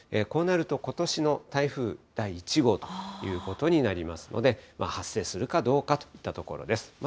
こうなると、ことしの台風第１号ということになりますので、発生するかどうかといったところです。